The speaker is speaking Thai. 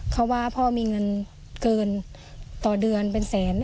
เขาว่าพ่อมีเงินเกินต่อเดือนเป็นแสน